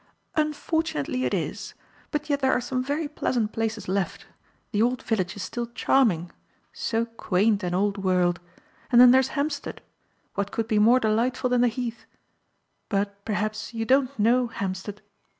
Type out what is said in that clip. "Unfortunately it is; but yet there are some very pleasant places left. The old village is still charming. So quaint and old world. And then there is Hampstead. What could be more delightful than the Heath? But perhaps you don't know Hampstead?"